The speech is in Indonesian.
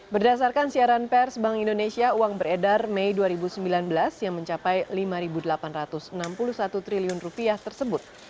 berdasarkan siaran pers bank indonesia uang beredar mei dua ribu sembilan belas yang mencapai rp lima delapan ratus enam puluh satu triliun tersebut